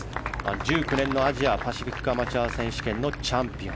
１９年のアジアパシフィック選手権のチャンピオン。